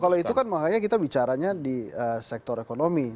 kalau itu kan makanya kita bicaranya di sektor ekonomi